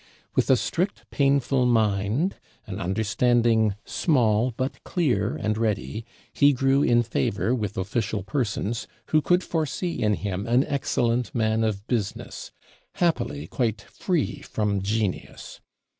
With a strict, painful mind, an understanding small but clear and ready, he grew in favor with official persons, who could foresee in him an excellent man of business, happily quite free from genius.